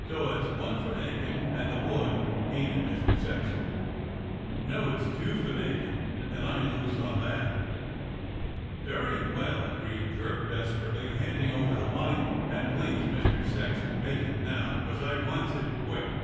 So it's one for makin' and the wood, ain't it. Mister Sexton.?^" "No, it's two for makin', and I lose on that." "Very well," agreed Jerk desperately, handing over the money, "and please, Mister Sexton, make it now, 'cos I wants it quick."